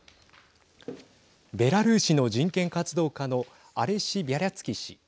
ベラルーシの人権活動家のアレシ・ビャリャツキ氏。